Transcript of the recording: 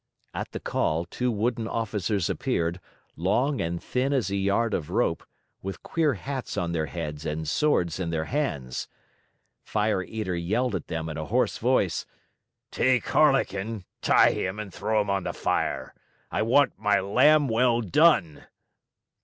At the call, two wooden officers appeared, long and thin as a yard of rope, with queer hats on their heads and swords in their hands. Fire Eater yelled at them in a hoarse voice: "Take Harlequin, tie him, and throw him on the fire. I want my lamb well done!"